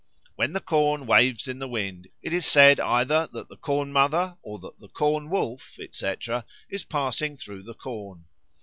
When the corn waves in the wind it is said either that the Corn mother or that the Corn wolf, etc., is passing through the corn.